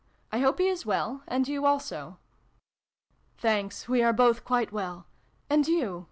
I hope he is well, and you also ?"" Thanks, we are both quite well. And you